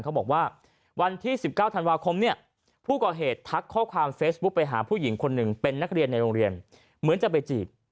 วันที่๑๙ธันวาคมเนี่ยผู้ก่อเหตุทักข้อความเฟซบุ๊กไปหาผู้หญิงคนหนึ่งเป็นนักเรียนในโรงเรียนเหมือนจะไปจีบ